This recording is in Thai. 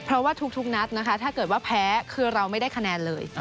เพราะว่าทุกนัดนะคะถ้าเกิดว่าแพ้คือเราไม่ได้คะแนนเลย